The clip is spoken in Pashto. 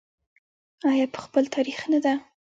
آیا په خپل تاریخ نه ده؟